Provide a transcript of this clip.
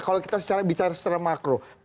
kalau kita bicara secara makro